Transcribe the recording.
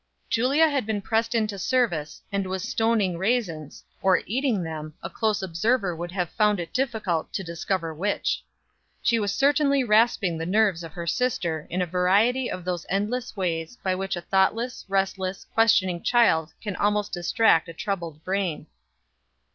Julia had been pressed into service, and was stoning raisins, or eating them, a close observer would have found it difficult to discover which. She was certainly rasping the nerves of her sister in a variety of those endless ways by which a thoughtless, restless, questioning child can almost distract a troubled brain.